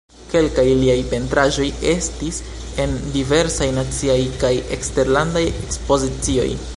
Kelkaj liaj pentraĵoj estis en diversaj naciaj kaj eksterlandaj ekspozicioj.